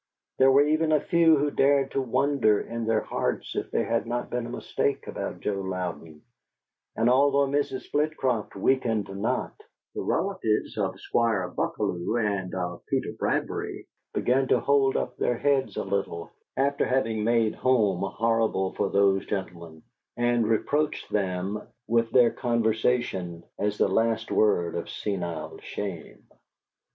There were even a few who dared to wonder in their hearts if there had not been a mistake about Joe Louden; and although Mrs. Flitcroft weakened not, the relatives of Squire Buckalew and of Peter Bradbury began to hold up their heads a little, after having made home horrible for those gentlemen and reproached them with their conversion as the last word of senile shame.